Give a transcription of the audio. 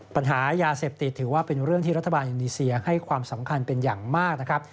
ปัญหายาเสพติดถือว่าเป็นเรื่องที่รัฐบาลอินโดนีเซียให้ความสำคัญเป็นอย่างมากนะครับ